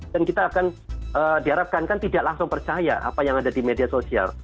dan kita akan diharapkan kan tidak langsung percaya apa yang ada di media sosial